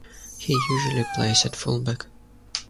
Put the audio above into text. He usually plays at fullback.